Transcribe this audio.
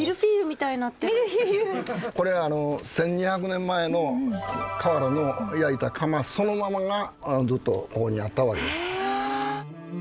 これあの１，２００年前の瓦の焼いた窯そのままがずっとここにあったわけです。え！？